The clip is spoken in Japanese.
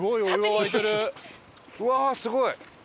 うわーすごい！